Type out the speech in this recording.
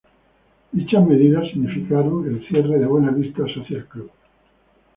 Dichas medidas significaron el cierre del Buena Vista Social Club.